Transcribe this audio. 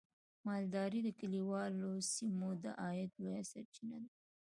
مالداري د کليوالو سیمو د عاید لویه سرچینه ده.